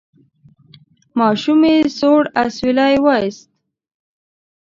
ماشومې سوړ اسویلی وایست: